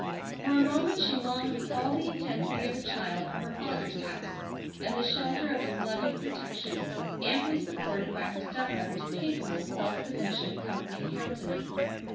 For a moment she longed with all the intensity of a child for her father's house and the shelter of his loving protection, amply supported by her stepmother's capable, self sufficient, comforting countenance.